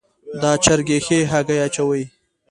دا چرګي ښي هګۍ اچوي